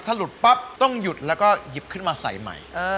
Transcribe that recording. ถ้าหลุดปั๊บต้องหยุดแล้วก็หยิบขึ้นมาใส่ใหม่